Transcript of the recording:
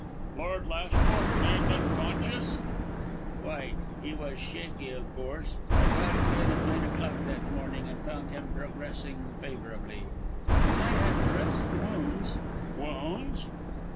"Lord Lashmore remained conscious?" "Quite. He was shaky, of course. I called again at nine o'clock that morning, and found him progressing favourably. When I had dressed the wounds " "Wounds?"